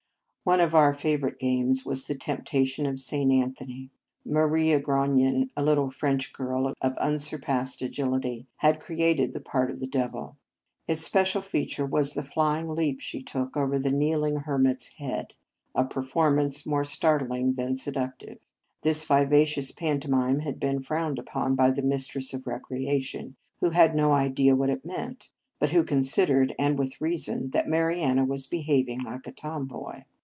One of our favourite games was the temptation of St. Anthony. Mariana Grognon, a little French girl of unsurpassed agil ity, had " created " the part of the devil. Its special feature was the fly ing leap she took over the kneeling hermit s head, a performance more startling than seductive. This viva cious pantomime had been frowned upon by the mistress of recreation, who had no idea what it meant, but who considered, and with reason, that Ma riana was behaving like a tomboy.